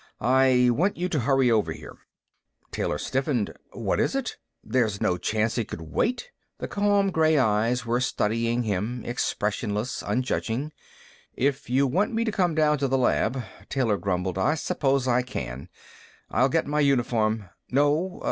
"I want you to hurry over here." Taylor stiffened. "What is it? There's no chance it could wait?" The calm gray eyes were studying him, expressionless, unjudging. "If you want me to come down to the lab," Taylor grumbled, "I suppose I can. I'll get my uniform " "No.